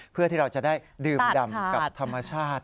เพื่อที่เราจะได้ดื่มดำกับธรรมชาติ